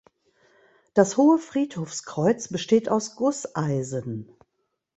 Das hohe Friedhofskreuz besteht aus Gusseisen.